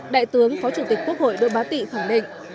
đại tướng phó chủ tịch quốc hội đỗ bá tị khẳng định